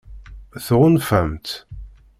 Tɣunfam-tt?